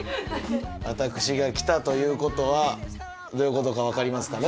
私が来たということはどういうことか分かりますかね。